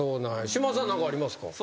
嶋田さんは何かありますか？